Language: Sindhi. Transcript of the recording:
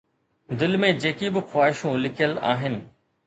دل ۾ جيڪي به خواهشون لڪيل آهن